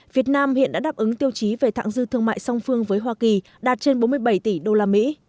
việt nam hiện đã đáp ứng tiêu chí về thạng dư thương mại song phương với hoa kỳ đạt trên bốn mươi bảy tỷ usd